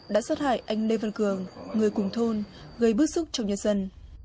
đã sát hại anh lê văn cường người cùng thôn gây bức xúc trong nhân dân